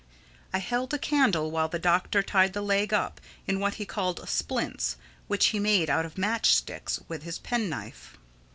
I held a candle while the Doctor tied the leg up in what he called "splints," which he made out of match sticks with his pen knife.